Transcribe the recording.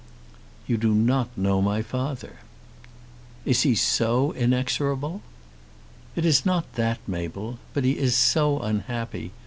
"You do not know my father." "Is he so inexorable?" "It is not that, Mabel. But he is so unhappy.